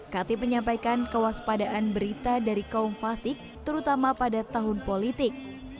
katip menyampaikan kewaspadaan berita dari kaum fasik terutama pada tahun politik